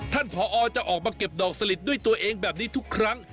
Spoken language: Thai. ผอจะออกมาเก็บดอกสลิดด้วยตัวเองแบบนี้ทุกครั้ง